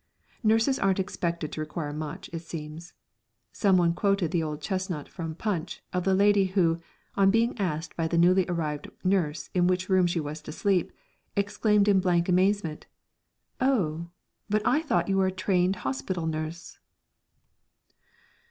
Nurses aren't expected to require much, it seems. Someone quoted the old chestnut from Punch of the lady who, on being asked by the newly arrived nurse in which room she was to sleep, exclaimed in blank amazement: "Oh, but I thought you were a trained hospital nurse!"